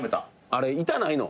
あれ痛ないの？